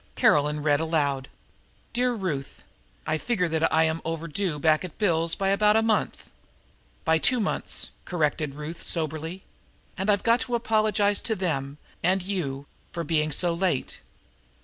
Caroline read aloud: "Dear Ruth, I figure that I'm overdue back at Bill's place by about a month " "By two months," corrected Ruth soberly. "And I've got to apologize to them and you for being so late.